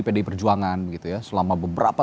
pdi perjuangan gitu ya selama beberapa